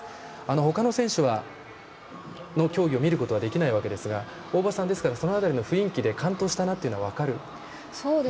他の選手の競技は見ることができないわけですから、大場さんその辺りは雰囲気で完登したなというのは分かるものなんですね。